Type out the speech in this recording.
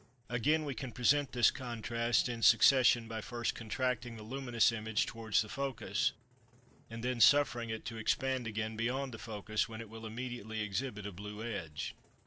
Again, we can present this contrast in succession by first contracting the luminous image towards the focus, and then suffering it to expand again beyond the focus, when it will immediately exhibit a blue edge.